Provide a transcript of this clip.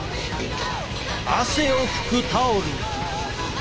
汗をふくタオル。